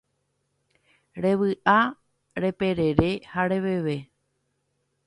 Revy'a, reperere ha reveve